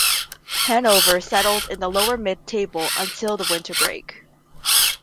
Hannover settled in the lower-mid-table until the winter break.